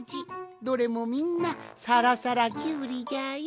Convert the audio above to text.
どれもみんなさらさらキュウリじゃよ。